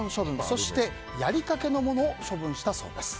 そして、やりかけのものを処分したそうです。